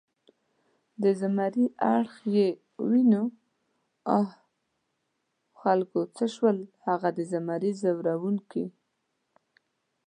د زمري اړخ یې ونیو، آ خلکو څه شول هغه د زمري ځوروونکي؟